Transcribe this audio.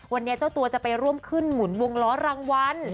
วันนี้เจ้าตัวจะไปร่วมขึ้นหมุนวงล้อรางวัล